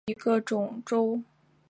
唐朝羁縻州。